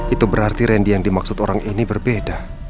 itu berarti randy yang dimaksud orang ini berbeda